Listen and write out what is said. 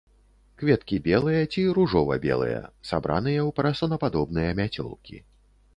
Кветкі белыя ці ружова-белыя, сабраныя ў парасонападобныя мяцёлкі.